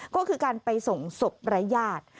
ก็คือการไปส่งศพรายญาติ